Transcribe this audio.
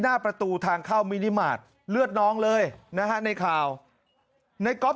หน้าประตูทางเข้ามินิมาตรเลือดน้องเลยนะฮะในข่าวในก๊อฟ